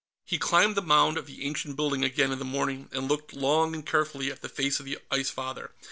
He climbed the mound of the ancient building again in the morning, and looked long and carefully at the face of the Ice Father.